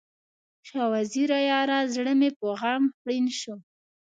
شاه وزیره یاره، زړه مې په غم خوړین شو